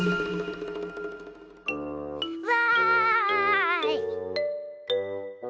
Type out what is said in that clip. わい！